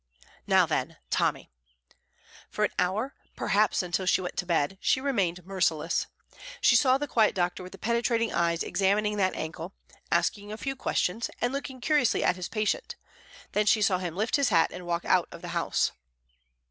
Now, then, Tommy! For an hour, perhaps until she went to bed, she remained merciless. She saw the quiet doctor with the penetrating eyes examining that ankle, asking a few questions, and looking curiously at his patient; then she saw him lift his hat and walk out of the house.